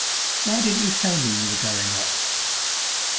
"Why didn't you tell me you were going up?"